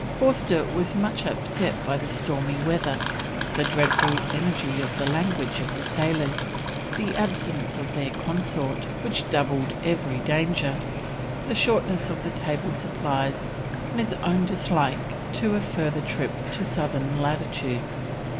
Forster was much upset by the stormy weather, "the dreadful energy of the language" of the sailors, the absence of their consort which "doubled every danger," the shortness of the table supplies and his own dislike to a further trip to southern latitudes.